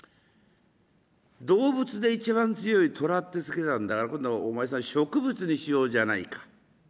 動物で一番強い虎って付けたんだから今度はお前さん植物にしようじゃないか。